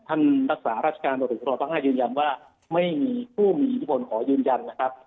ท่านรักษาราชการตำรวจครภาค๕ยืนยันว่าไม่มีผู้มีอิทธิพลขอยืนยันนะครับ